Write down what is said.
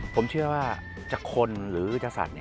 ผมเชื่อว่าจะคนหรือจะสัตว์